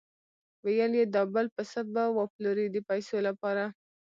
ویل یې دا بل پسه به وپلوري د پیسو لپاره.